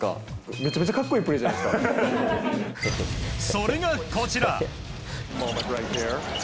それが、こちら。